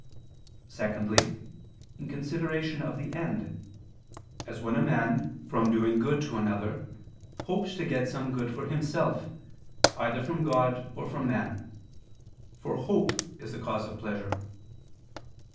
Secondly, in consideration of the end; as when a man, from doing good to another, hopes to get some good for himself, either from God or from man: for hope is a cause of pleasure.